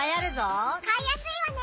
買いやすいわね！